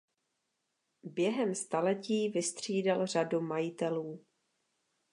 Během staletí vystřídal řadu majitelů.